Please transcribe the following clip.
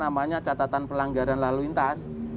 mengandalkan catatan pelanggaran lalu intas